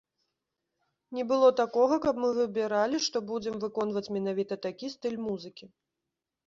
Не было такога, каб мы выбіралі, што будзем выконваць менавіта такі стыль музыкі.